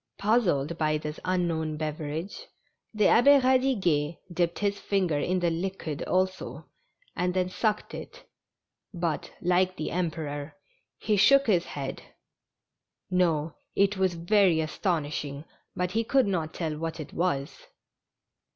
Puzzled by this unknown beverage, the Abbd Eadiguet dipped his finger in the liquid also, and then sucked it, but, like the Emperor, he shook his head; no, it was very astonishing, but he could not tell what it was.